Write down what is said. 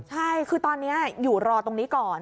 ใช่คือตอนนี้อยู่รอตรงนี้ก่อน